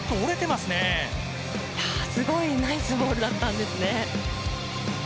すごいナイスボールだったんですね。